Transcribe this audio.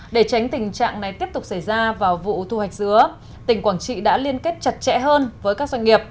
để tránh tình trạng này tiếp tục xảy ra vào vụ thu hoạch dứa tỉnh quảng trị đã liên kết chặt chẽ hơn với các doanh nghiệp